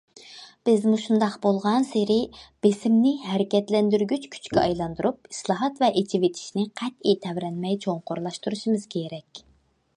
بىز مۇشۇنداق بولغانسېرى، بېسىمنى ھەرىكەتلەندۈرگۈچ كۈچكە ئايلاندۇرۇپ، ئىسلاھات ۋە ئېچىۋېتىشنى قەتئىي تەۋرەنمەي چوڭقۇرلاشتۇرۇشىمىز كېرەك.